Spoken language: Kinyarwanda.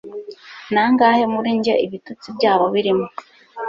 Nangahe muri njye ibitutsi byabo birimo